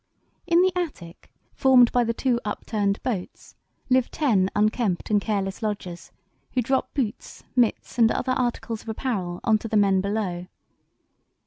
"In the attic, formed by the two upturned boats, live ten unkempt and careless lodgers, who drop boots, mitts, and other articles of apparel on to the men below.